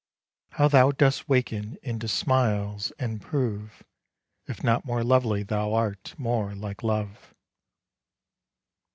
How thou dost waken into smiles, and prove, If not more lovely thou art more like Love!